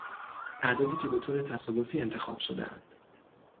اعدادی که به طور تصادفی انتخاب شدهاند